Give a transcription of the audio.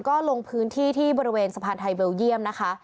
ก็ลงพื้นที่ที่บริเวณสะพานไทยเบลเยี่ยมนะคะ